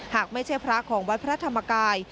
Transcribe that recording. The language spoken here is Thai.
หากไม่ใช่พระของวัดพระธรรมกาย